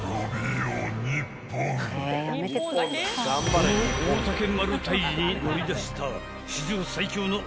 ［この大嶽丸退治に乗り出した］